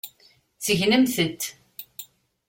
Segnemt-tent.